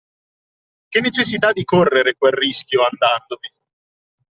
Che necessità di correre quel rischio andandovi?